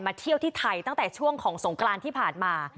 เที่ยวที่ไทยตั้งแต่ช่วงของสงกรานที่ผ่านมา